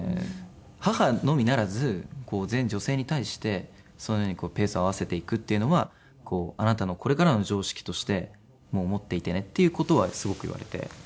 母のみならず全女性に対してそういう風にペースを合わせていくっていうのは「あなたのこれからの常識として持っていてね」っていう事はすごく言われて。